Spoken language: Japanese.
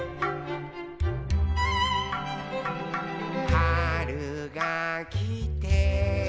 「はるがきて」